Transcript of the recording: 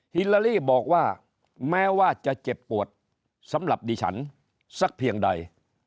ฮิลาลี่บอกว่าแม้ว่าจะเจ็บปวดสำหรับดิฉันสักเพียงใด